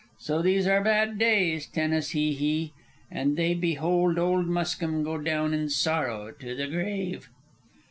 So these are bad days, Tenas Hee Hee, and they behold old Muskim go down in sorrow to the grave."